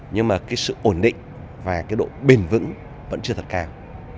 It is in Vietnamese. nhưng mà sự ổn định và độ bình vững vẫn chưa thật cao